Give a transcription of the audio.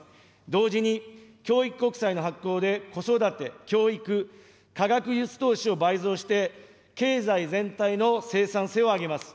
同時に、教育国債の発行で子育て、教育、科学技術投資を倍増して、経済全体の生産性を上げます。